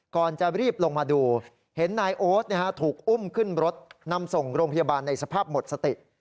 ก่อนจะรีบลงมาดูเห็นนายโอ๊ตถูกอุ้มขึ้นรถนำส่งโรงพยาบาลในสภาพหมดสติ